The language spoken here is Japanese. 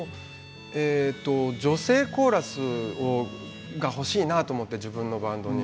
女性コーラスが欲しいなと思って自分のバンドに。